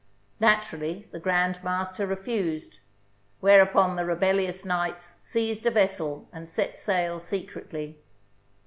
Naturally, the Grand Master refused; whereupon the rebellious knights seized a vessel and set sail secretly.